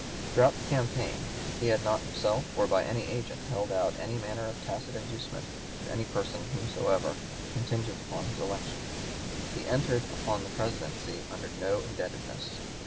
Throughout the campaign he had not himself, or by any agent, held out any manner of tacit inducement to any person whomsoever, contingent upon his election. He entered upon the Presidency under no indebtedness.